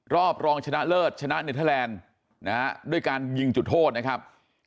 รอบรองชนะเลิศชนะเนเทอร์แลนด์นะฮะด้วยการยิงจุดโทษนะครับ